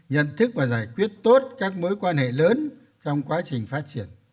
nhận thức và giải quyết tốt các mối quan hệ lớn trong quá trình phát triển